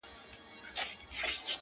هغه خو زما کره په شپه راغلې نه ده!!